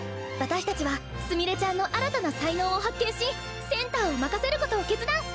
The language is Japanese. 私たちはすみれちゃんの新たな才能を発見しセンターを任せることを決断！